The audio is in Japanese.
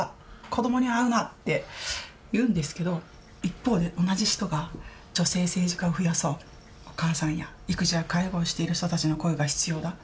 「子どもには会うな！」って言うんですけど一方で同じ人が「女性政治家を増やそう」「お母さんや育児や介護をしている人たちの声が必要だ」。